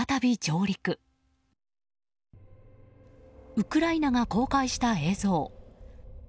ウクライナが公開した映像。